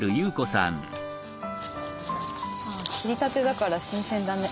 あ切りたてだから新鮮だね。